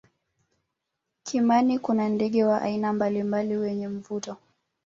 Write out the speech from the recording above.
kimani kuna ndege wa aina mbalimbali wenye mvuto